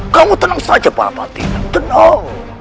kamu tenang saja palapati tenang